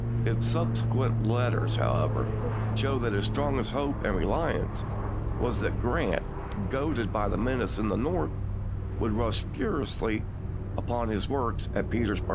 His subsequent letters, however, show that his strongest hope and reliance was that Grant, goaded by the menace in the North, would rush furiously upon his works at Petersburg.